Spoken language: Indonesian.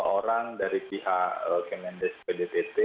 lima orang dari pihak kemendes pdtt